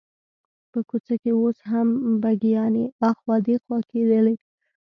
په کوڅه کې اوس هم بګیانې اخوا دیخوا کېدلې.